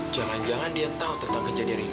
jangan jangan dia tahu tentang kejadian ini